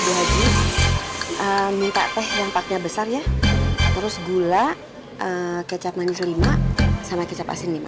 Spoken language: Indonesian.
baju minta teh yang pakai besar ya terus gula kecap manis lima sama kecap asin lima